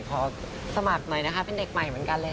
ขอสมัครหน่อยนะคะเป็นเด็กใหม่เหมือนกันเลยค่ะ